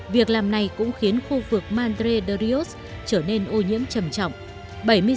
việc làm này cũng khiến khu vực madre de rios trở nên ô nhiễm chầm mắt